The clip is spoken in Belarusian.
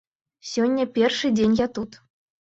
Сёння першы дзень я тут.